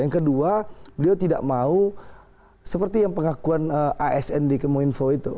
yang kedua beliau tidak mau seperti yang pengakuan asnd ke moinfo itu